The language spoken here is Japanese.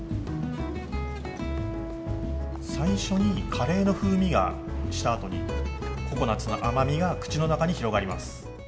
最初にカレーの風味がしたあとに、ココナッツの甘みが口の中に広がります。